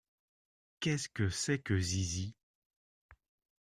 Qu’est-ce que c’est que Zizi ?